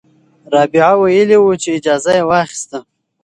رابعه ویلي وو چې اجازه یې واخیسته.